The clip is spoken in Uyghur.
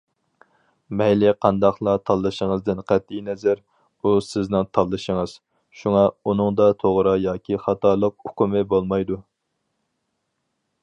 مەيلى قانداقلا تاللىشىڭىزدىن قەتئىينەزەر، ئۇ سىزنىڭ تاللىشىڭىز، شۇڭا ئۇنىڭدا توغرا ياكى خاتالىق ئۇقۇمى بولمايدۇ.